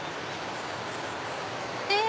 え